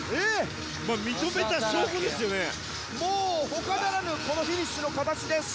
他ならぬこのフィニッシュの形です。